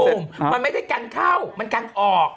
มันไม่ได้กันเข้ามันกันออก